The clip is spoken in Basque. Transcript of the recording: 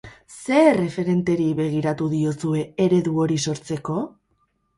Zer erreferenteri begiratu diozue eredu hori sortzeko?